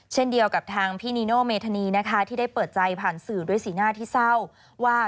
เช่นเดียวกับทางพี่นีโนเมธานีนะคะที่ได้เปิดใจผ่านสื่อด้วยสีหน้าที่เศร้าว่า